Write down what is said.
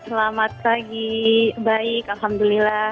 selamat pagi baik alhamdulillah